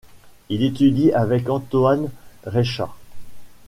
Il étudie avec Antoine Reicha.